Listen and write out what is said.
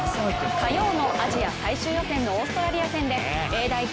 火曜のアジア最終予選のオーストラリア戦でＡ代表